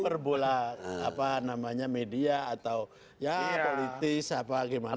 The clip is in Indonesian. diperbola apa namanya media atau ya politis apa gimana